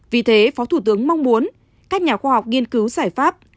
vì thế phó thủ tướng mong muốn các nhà khoa học nghiên cứu giải pháp